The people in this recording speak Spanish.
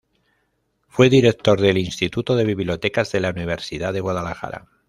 Fue director del Instituto de Bibliotecas de la Universidad de Guadalajara.